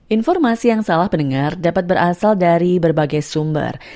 informasi yang salah pendengar dapat berasal dari berbagai sumber